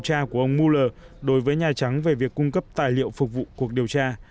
cha của ông mueller đối với nhà trắng về việc cung cấp tài liệu phục vụ cuộc điều tra